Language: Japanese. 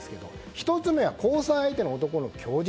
１つ目は、交際相手の男の供述。